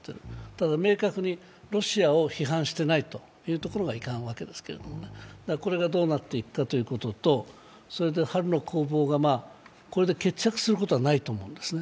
ただ明確にロシアを批判していないというところがいかんわけですけれどもこれがどうなっていくかということと、春の攻防が、これで決着することはないと思うんですね。